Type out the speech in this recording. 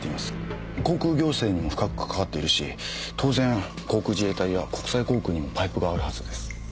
航空行政にも深くかかわっているし当然航空自衛隊や国際航空にもパイプがあるはずです。